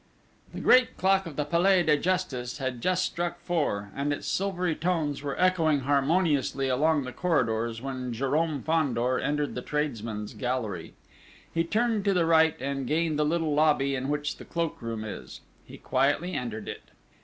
The great clock of the Palais de Justice had just struck four, and its silvery tones were echoing harmoniously along the corridors when Jérôme Fandor entered the tradesman's gallery. He turned to the right, and gained the little lobby in which the cloak room is. He quietly entered it.